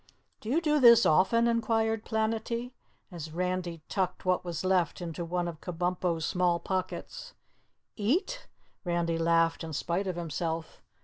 "Do you do this often?" inquired Planetty, as Randy tucked what was left into one of Kabumpo's small pockets. "Eat?" Randy laughed in spite of himself.